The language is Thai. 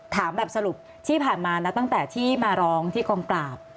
ถามแบบสรุปที่ผ่านมานะตั้งแต่ที่มาร้องที่กองปราบ